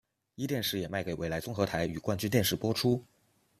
壹电视也卖给纬来综合台与冠军电视播出。